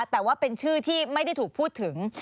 แต่ว่าเป็นชื่อที่ไม่ได้ถูกพูดถึง